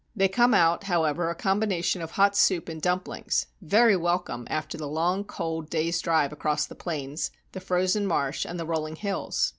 They come out, however, a combination of hot soup and dumplings, very welcome after the long cold day's drive across the plains, the frozen marsh, and the rolling hills.